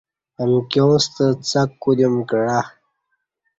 امکیاں ستہ څک کودیوم کعا